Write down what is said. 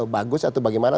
bagus atau bagaimana